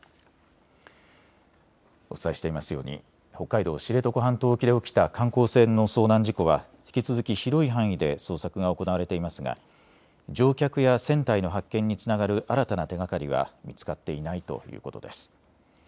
お伝えしていますように北海道知床半島沖で起きた観光船の遭難事故は引き続き広い範囲で捜索が行われていますが乗客や船体の発見につながる新たな手がかりは見つかっていないということです。